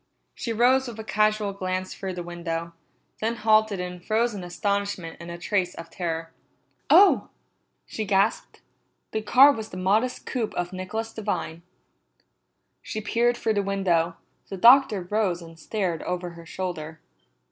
She rose with a casual glance through the window, then halted in frozen astonishment and a trace of terror. "Oh!" she gasped. The car was the modest coupe of Nicholas Devine. She peered through the window; the Doctor rose and stared over her shoulder.